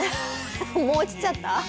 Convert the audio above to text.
もう落ちちゃった？